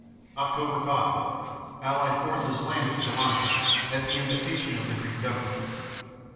Oct. 5 Allied forces land at Salonica, at the invitation of the Greek government.